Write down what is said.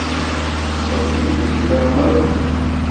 Ad yiwzil lɛemr-is.